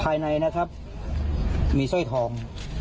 ภายในมีเส้นภายในมีใช้ทอง